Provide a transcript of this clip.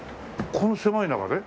この狭い中で？